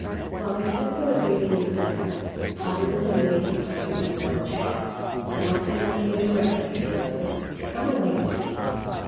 While his sister was reading this letter, Hardyman had made his way to Isabel's chair. "I must speak to you, directly," he whispered. "Come away with me!"